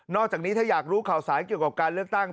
อกจากนี้ถ้าอยากรู้ข่าวสายเกี่ยวกับการเลือกตั้ง